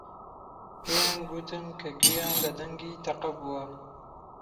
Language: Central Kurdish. پێیان گوتم کە گوێیان لە دەنگی تەقە بووە.